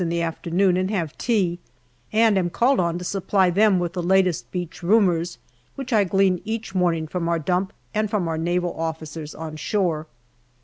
in the afternoon and have tea, and am called on to supply them with the latest beach rumours, which I glean each morning from our dump and from our Naval officers on shore.